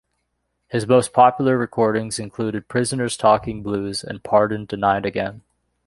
His most popular recordings included "Prisoner's Talking Blues" and "Pardon Denied Again".